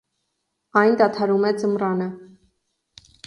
Այն դադարում է ձմռանը։